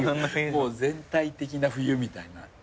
もう全体的な冬みたいな。